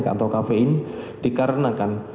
atau kafein dikarenakan